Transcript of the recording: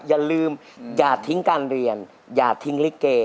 อย่าลืมอย่าทิ้งการเรียนอย่าทิ้งลิเก